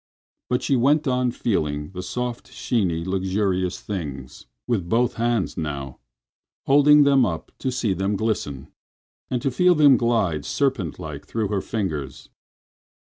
But she went on feeling the soft, sheeny luxurious things—with both hands now, holding them up to see them glisten, and to feel them glide serpent like through her fingers.